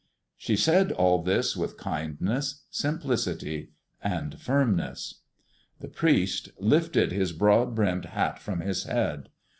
She said all this with kindness, simplicity, and firmness. The priest lifted his broad brimmed hat from his head.